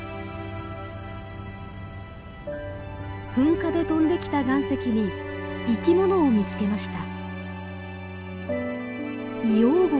噴火で飛んできた岩石に生き物を見つけました。